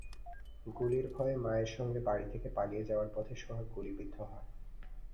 গুলির ভয়ে মায়ের সঙ্গে বাড়ি থেকে পালিয়ে যাওয়ার পথে সোহাগ গুলিবিদ্ধ হয়।